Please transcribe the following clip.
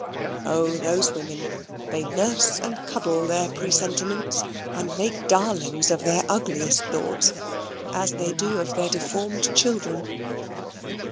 Oh, those women! They nurse and cuddle their presentiments, and make darlings of their ugliest thoughts, as they do of their deformed children.